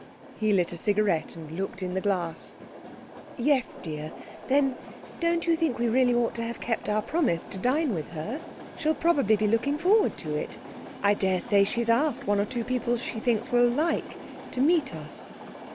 He lit a cigarette and looked in the glass. 'Yes, dear. Then, don't you think we really ought to have kept our promise to dine with her? She'll probably be looking forward to it. I daresay she's asked one or two people she thinks we like, to meet us.'